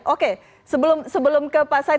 oke sebelum ke pak said